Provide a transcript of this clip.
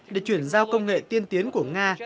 để chuyển giao công nghệ tiên tiến của nga